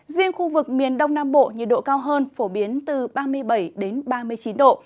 riêng khu vực miền đông nam bộ nhiệt độ cao hơn phổ biến từ ba mươi bảy ba mươi chín độ